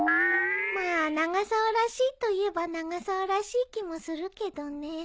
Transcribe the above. まあ永沢らしいといえば永沢らしい気もするけどね。